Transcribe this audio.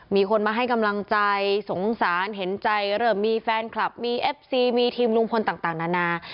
มีคนมาให้กำลังใจสงสารเห็นใจเริ่มมีแฟนคลับมีเอฟซีมีทีมลุงพลต่างนานา